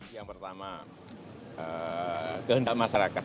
yang pertama gendak masyarakat